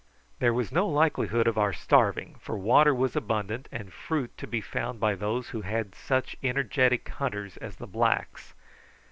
There was no likelihood of our starving, for water was abundant, and fruit to be found by those who had such energetic hunters as the blacks.